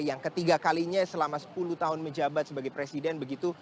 yang ketiga kalinya selama sepuluh tahun menjabat sebagai presiden begitu